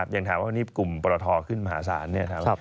ยังถามว่าวันนี้กลุ่มปรทขึ้นมหาศาล